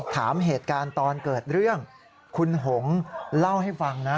ถามเหตุการณ์ตอนเกิดเรื่องคุณหงเล่าให้ฟังนะ